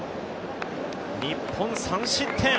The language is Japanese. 日本、３失点。